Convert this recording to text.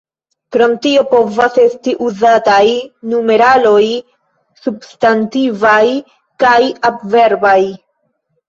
Krom tio povas esti uzataj numeraloj substantivaj kaj adverbaj.